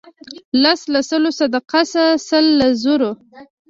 لس له سلو صدقه شه سل له زرو.